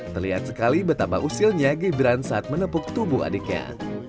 terlihat sekali betapa usilnya gibran saat menepuk tubuh adiknya